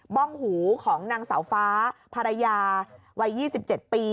้องหูของนางสาวฟ้าภรรยาวัย๒๗ปี